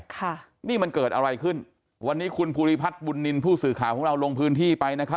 ค่ะนี่มันเกิดอะไรขึ้นวันนี้คุณภูริพัฒน์บุญนินทร์ผู้สื่อข่าวของเราลงพื้นที่ไปนะครับ